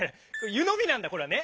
「ゆのみ」なんだこれはね。